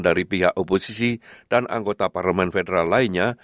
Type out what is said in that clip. dari pihak oposisi dan anggota parlemen federal lainnya